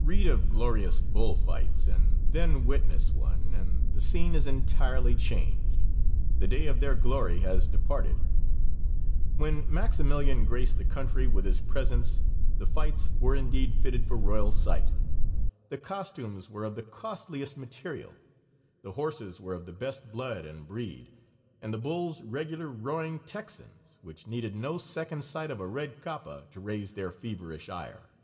Read of glorious bull fights and then witness one, and the scene is entirely changed. The day of their glory has departed. When Maximilian graced the country with his presence the fights were indeed fitted for royal sight. The costumes were of the costliest material; the horses were of the best blood and breed, and the bulls regular roaring Texans, which needed no second sight of a red capa to raise their feverish ire.